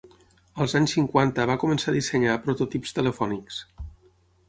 Als anys cinquanta va començar a dissenyar prototips telefònics.